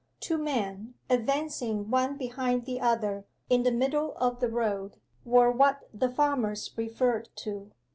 Two men, advancing one behind the other in the middle of the road, were what the farmers referred to.